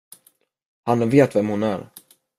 Han vet vem hon är.